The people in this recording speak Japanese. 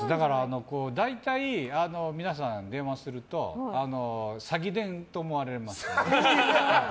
大体皆さん電話すると詐欺電と思われますね。